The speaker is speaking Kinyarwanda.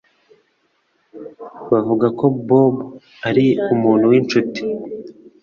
Bavuga ko Bobo ari umuntu winshuti